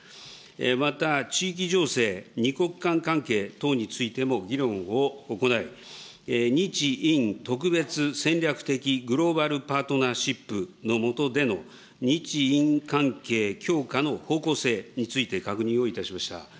また地域情勢、２国間関係等についても、議論を行い、日印特別戦略的グローバルパートナーシップの下での日印関係強化の方向性について確認をいたしました。